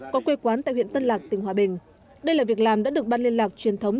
có quê quán tại huyện tân lạc tỉnh hòa bình đây là việc làm đã được ban liên lạc truyền thống